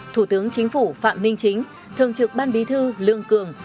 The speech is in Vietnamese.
thủ tướng chính phủ phạm minh chính thường trực ban bí thư lương cường